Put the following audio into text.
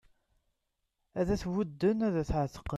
Ad t-budden ad t-εetqen